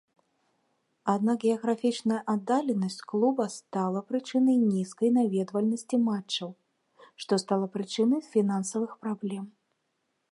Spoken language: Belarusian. Аднак геаграфічная аддаленасць клуба стала прычынай нізкай наведвальнасці матчаў, што стала прычынай фінансавых праблем.